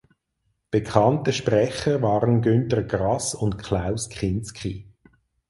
Bekannte Sprecher waren Günter Grass und Klaus Kinski.